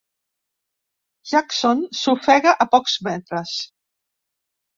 Jackson s'ofega a pocs metres.